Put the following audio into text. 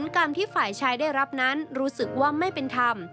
กรรมที่ฝ่ายชายได้รับนั้นรู้สึกว่าไม่เป็นธรรม